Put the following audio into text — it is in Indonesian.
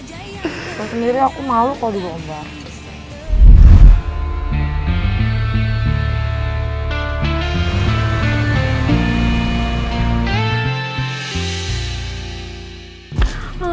aku sendiri aku malu kalau dibombang